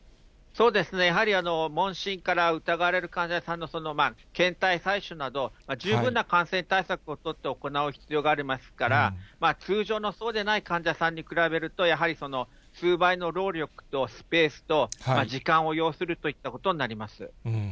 やはり問診から疑われる患者さんの検体採取など、十分な感染対策を取って行う必要がありますから、通常のそうでない患者さんに比べると、やはり数倍の労力とスペースと、時間を要するといったことになります。